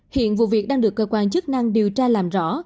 hiện vụ việc đang được cơ quan chức năng điều tra làm rõ